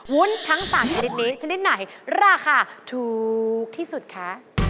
วุ้นทั้ง๓ชนิดนี้ชนิดไหนราคาถูกที่สุดคะ